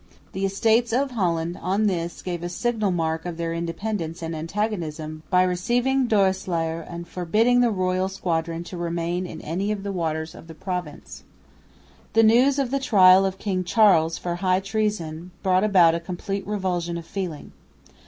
The Estates of Holland on this gave a signal mark of their independence and antagonism by receiving Doreslaer and forbidding the royal squadron to remain in any of the waters of the Province. The news of the trial of King Charles for high treason brought about a complete revulsion of feeling.